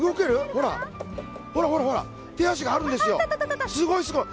ほら、ほらほら、手足があるんですよ、すごい。